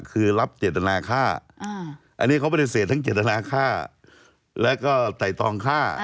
คือรับเจตนาฆ่าอันนี้เขาปฏิเสธทั้งเจตนาฆ่าแล้วก็ไต่ตองฆ่า